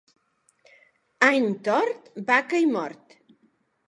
Any tort, vaca i mort.